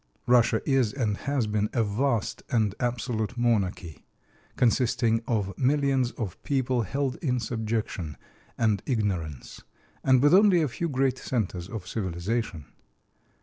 Russia is and has been a vast and absolute monarchy, consisting of millions of people held in subjection and ignorance, and with only a few great centers of civilization.